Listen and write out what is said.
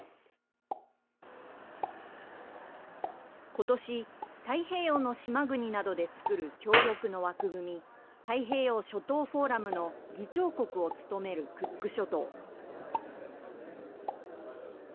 ことし、太平洋の島国などで作る協力の枠組み、太平洋諸島フォーラムの議長国を務めるクック諸島。